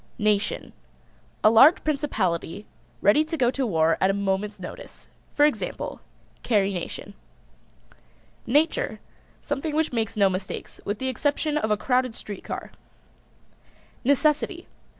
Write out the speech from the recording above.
NATION. A large principality ready to go to war at a moment's notice. For example: Carrie Nation. NATURE. Something which makes no mistakes, with the exception of a crowded street car. NECESSITY.